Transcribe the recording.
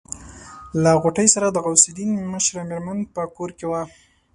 له غوټۍ سره د غوث الدين مشره مېرمن په کور کې وه.